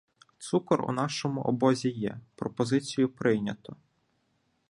Цукор у нашому обозі є — пропозицію прийнято.